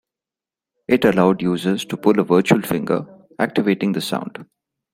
It allowed users to pull a virtual finger, activating the sound.